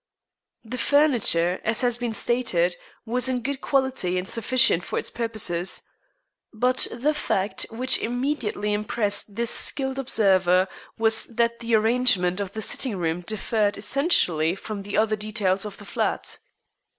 The furniture, as has been stated, was good in quality and sufficient for its purposes. But the fact which immediately impressed this skilled observer was that the arrangement of the sitting room differed essentially from the other details of the flat.